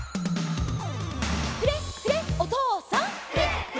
「フレッフレッおとうさん！」